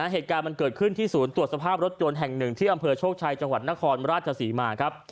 เหตุการณ์มันเกิดขึ้นที่ศูนย์ตรวจสภาพรถยนต์แห่งหนึ่งที่อำเภอโชคชัยจังหวัดนครราชศรีมาครับ